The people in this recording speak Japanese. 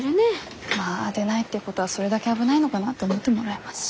まあ出ないっていうことはそれだけ危ないのかな？って思ってもらえますし。